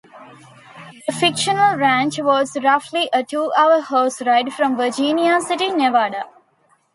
The fictional ranch was roughly a two-hour horse ride from Virginia City, Nevada.